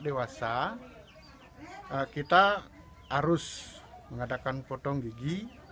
untuk anak dewasa kita harus mengadakan potong gigi